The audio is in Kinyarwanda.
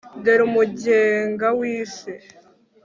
dore umugenga wi si